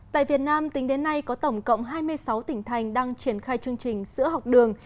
tại việt nam tính đến nay có tổng cộng hai mươi sáu tỉnh thành đang triển khai chương trình sữa học đường